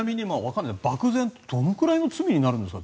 ばくぜんとどのくらいの罪になるんですか？